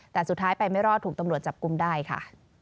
แต่สุดท้ายไปไม่รอดถูกตำรวจจับกลุ่มได้ค่ะ